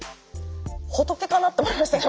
仏かなと思いました。